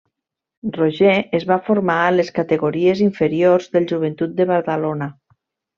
Roger es va formar a les categories inferiors del Joventut de Badalona.